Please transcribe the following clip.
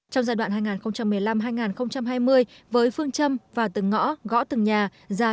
trong giai đoạn hai nghìn một mươi năm hai nghìn hai mươi với phương châm vào từng ngõ gõ từng nhà